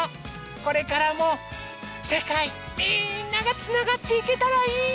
これからもせかいみんながつながっていけたらいいね！